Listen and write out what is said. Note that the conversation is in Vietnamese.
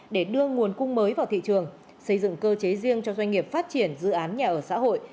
để đưa nguồn cung mới vào thị trường xây dựng cơ chế riêng cho doanh nghiệp phát triển dự án nhà ở xã hội